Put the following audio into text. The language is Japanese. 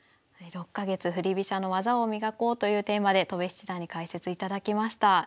６か月「振り飛車の技を磨こう！」というテーマで戸辺七段に解説いただきました。